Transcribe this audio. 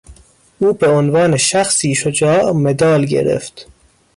او به عنوان شخصی شجاع، مدال گرفت